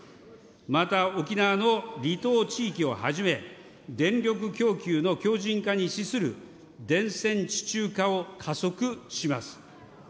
また沖縄の離島地域をはじめ、電力供給の強じん化に資する電線地中化を加速します。